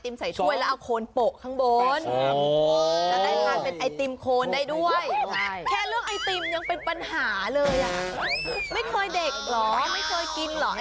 ต้องวางไหนเอาให้มันขึ้นไหน